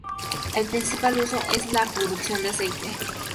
El principal uso es la producción de aceite.